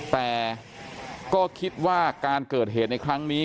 แต่ก็คิดว่าการเกิดเหตุในครั้งนี้